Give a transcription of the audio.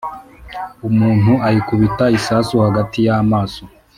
umuntu ayikubita isasu hagati y' amaso,